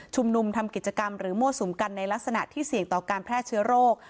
ทำกิจกรรมหรือมั่วสุมกันในลักษณะที่เสี่ยงต่อการแพร่เชื้อโรค